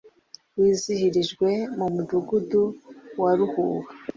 wizihirijwe mu mudugudu wa Ruhuha